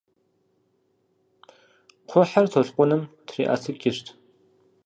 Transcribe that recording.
Кхъухьыр толъкъуным триӀэтыкӀырт.